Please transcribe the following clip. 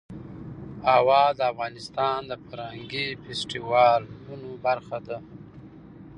هوا د افغانستان د فرهنګي فستیوالونو برخه ده.